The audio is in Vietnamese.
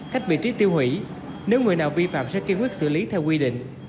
cách vị trí tiêu hủy nếu người nào vi phạm sẽ kiên quyết xử lý theo quy định